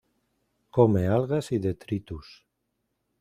Come algas y detritus.